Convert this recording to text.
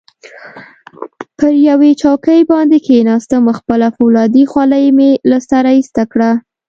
پر یوې چوکۍ باندې کښېناستم، خپله فولادي خولۍ مې له سره ایسته کړه.